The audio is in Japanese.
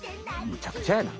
むちゃくちゃやな！